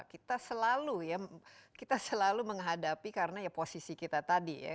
kita selalu ya kita selalu menghadapi karena ya posisi kita tadi ya